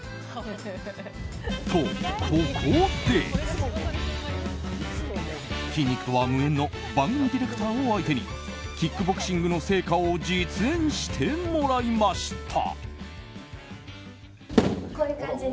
と、ここで筋肉とは無縁の番組ディレクターを相手にキックボクシングの成果を実演してもらいました。